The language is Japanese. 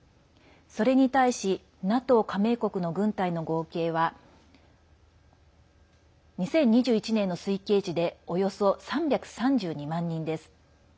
それに対しＮＡＴＯ加盟国の軍隊の合計は２０２１年の推計値でおよそ３３２万人です。